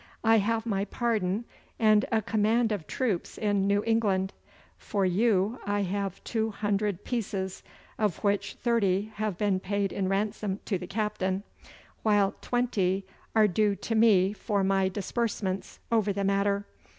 I have my pardon and a command of troops in New England. For you I have two hundred pieces, of which thirty have been paid in ransom to the captain, while twenty are due to me for my disbursements over the matter.